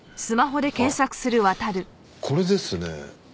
あっこれですね。